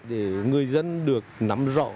để người dân được nắm rõ